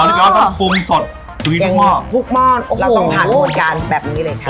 อ๋อนี่ก็ต้องปุ้งสดทุกม่อนทุกม่อนโอ้โหเราต้องผ่านหัวจานแบบนี้เลยค่ะ